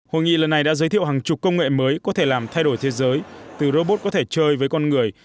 hội nghị lần này đã giới thiệu hàng chục công nghệ mới có thể làm thay đổi thế giới từ robot có thể chơi với con người